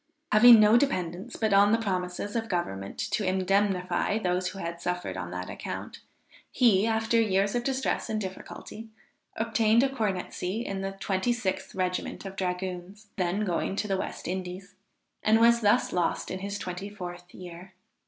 Having no dependence but on the promises of government to indemnify those who had suffered on that account he, after years of distress and difficulty, obtained a cornetcy in the 26th regiment of dragoons, then going to the West Indies, and was thus lost in his twenty fourth year.